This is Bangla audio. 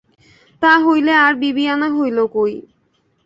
তা হইলে আর বিবিয়ানা হইল কই।